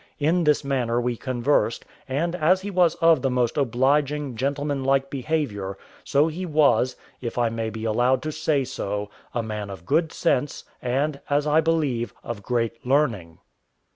In this manner we conversed; and as he was of the most obliging, gentlemanlike behaviour, so he was, if I may be allowed to say so, a man of good sense, and, as I believe, of great learning.